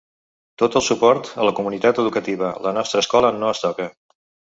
Tot el suport a la comunitat educativa, la nostra escola no es toca.